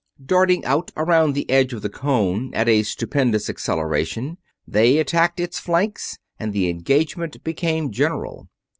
Darting out around the edge of the cone at a stupendous acceleration, they attacked its flanks and the engagement became general.